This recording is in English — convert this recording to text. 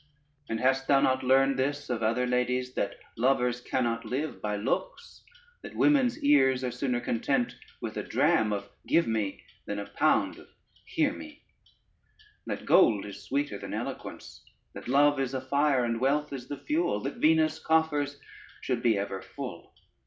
And hast thou not learned this of other ladies, that lovers cannot live by looks, that women's ears are sooner content with a dram of give me than a pound of hear me, that gold is sweeter than eloquence, that love is a fire and wealth is the fuel, that Venus' coffers should be ever full?